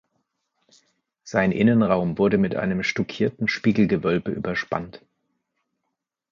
Sein Innenraum wurde mit einem stuckierten Spiegelgewölbe überspannt.